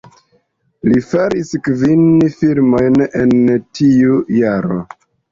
Li faris kvin filmojn en tiuj jaroj.